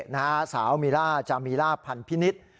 นางสาวมีล่าจามีล่าพันธินิษฐ์